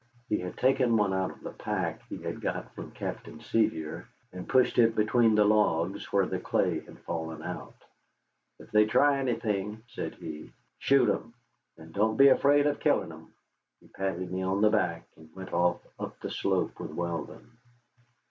He had taken one out of the pack he had got from Captain Sevier and pushed it between the logs where the clay had fallen out. "If they try anything," said he, "shoot 'em. And don't be afeard of killing 'em." He patted me on the back, and went off up the slope with Weldon.